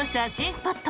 スポット